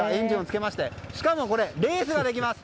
しかもこれ、レースができます！